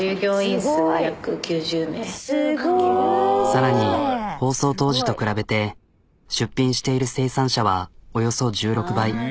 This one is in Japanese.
さらに放送当時と比べて出品している生産者はおよそ１６倍。